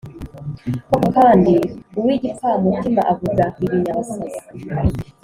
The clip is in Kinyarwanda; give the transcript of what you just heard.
Koko kandi, uw’igipfamutima avuga ibinyabasazi,